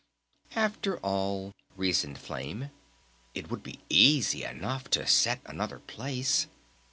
"After all," reasoned Flame, "it would be easy enough to set another place!